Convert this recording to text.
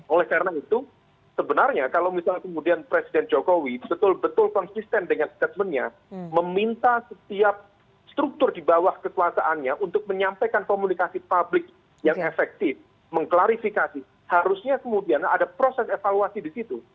oleh karena itu sebenarnya kalau misalnya kemudian presiden jokowi betul betul konsisten dengan statementnya meminta setiap struktur di bawah kekuasaannya untuk menyampaikan komunikasi publik yang efektif mengklarifikasi harusnya kemudian ada proses evaluasi di situ